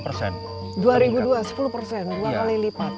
dua ribu dua sepuluh persen dua kali lipat